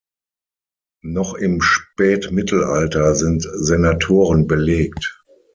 Noch im Spätmittelalter sind Senatoren belegt.